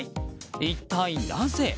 一体なぜ？